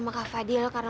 mbak atu suivi